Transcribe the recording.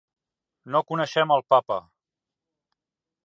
No coneixem el Papa.